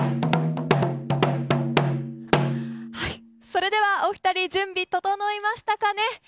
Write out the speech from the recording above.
それでは、お二人準備整いましたかね。